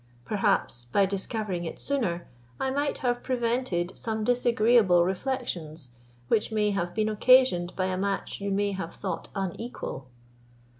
Perhaps, by discovering it sooner, I might have prevented some disagreeable reflections, which may have been occasioned by a match you may have thought unequal."